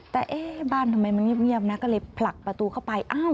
แต่เอ๊ะบ้านทำไมมันเงียบนะก็เลยผลักประตูเข้าไป